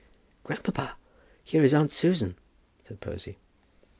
"Grandpapa, here is aunt Susan," said Posy.